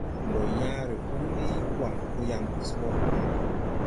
Ndo yãã re huuli waŋ po yaŋ se bo.